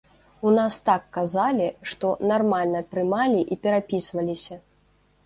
У нас так казалі, што нармальна прымалі і перапісваліся.